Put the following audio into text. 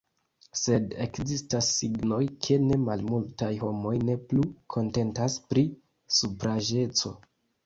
Sed ekzistas signoj, ke ne malmultaj homoj ne plu kontentas pri supraĵeco.